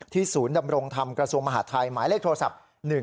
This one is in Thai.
ศูนย์ดำรงธรรมกระทรวงมหาทัยหมายเลขโทรศัพท์๑๕